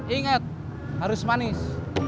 ingat harus manis